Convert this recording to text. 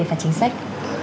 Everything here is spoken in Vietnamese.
và chính sách